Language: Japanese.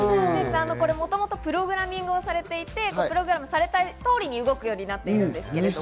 もともとプログラミングされていて、プログラムされた通りに動くようになっています。